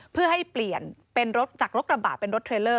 เพื่อให้เปลี่ยนเป็นรถจากรถกระบะเป็นรถเทรลเลอร์